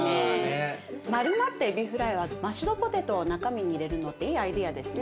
丸まったエビフライはマッシュポテトを中身に入れるのっていいアイデアですね。